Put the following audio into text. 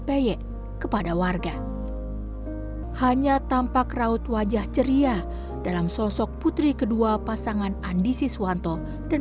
peyek kepada warga hanya tampak raut wajah ceria dalam sosok putri kedua pasangan andi siswanto dan